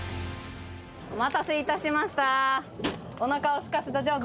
お待たせいたしました。